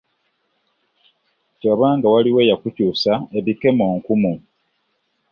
Tewaba nga waliwo eya kukyuusa ebikemo nkumu .